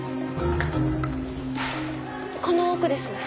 この奥です。